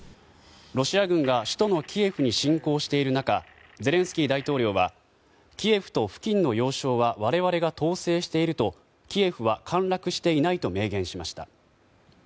ロシア軍が首都のキエフに侵攻している中ゼレンスキー大統領はキエフと付近の要衝は我々が統制しているとキエフは陥落していないと明言しました。